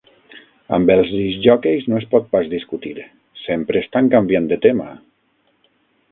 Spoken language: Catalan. Amb els discjòqueis no es pot pas discutir, sempre estan canviant de tema.